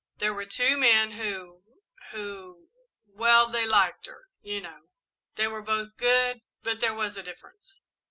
There were two men who who well, they liked her, you know. They were both good, but there was a difference.